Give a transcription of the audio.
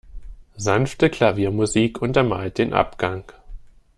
Sanfte Klaviermusik untermalt den Abgang.